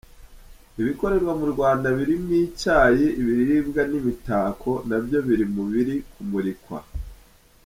Ibikorerwa mu Rwanda birimo Icyayi, ibiribwa n’imitako na byo biri mu biri kumurikwa.